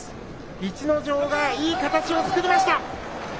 逸ノ城がいい形を作りました。